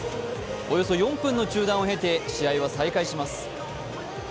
およそ４分の中断を経て試合は再開されます。